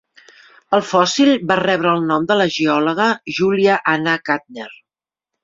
El fòssil va rebre el nom de la geòloga Julia Anna Gardner.